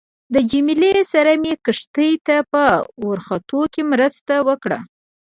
له جميله سره مې کښتۍ ته په ورختو کې مرسته وکړه.